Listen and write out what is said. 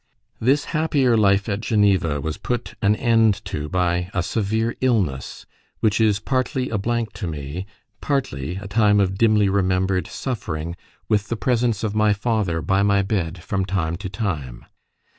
This happier life at Geneva was put an end to by a severe illness, which is partly a blank to me, partly a time of dimly remembered suffering, with the presence of my father by my bed from time to time.